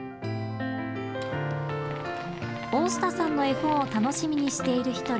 大下さんの絵本を楽しみにしている１人。